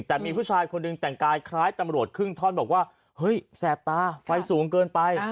แต่มีผู้ชายคนหนึ่งแต่งกายคล้ายตำรวจครึ่งท่อนบอกว่าเฮ้ยแสบตาไฟสูงเกินไป